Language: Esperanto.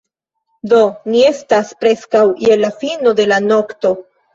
Do, ni estas preskaŭ je la fino de la nokto